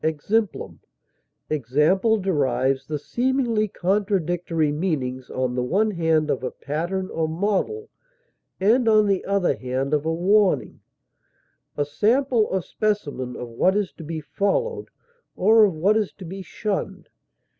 exemplum) example derives the seemingly contradictory meanings, on the one hand of a pattern or model, and on the other hand of a warning a sample or specimen of what is to be followed, or of what is to be shunned.